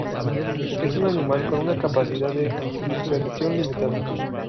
Es un animal con una capacidad de dispersión limitada.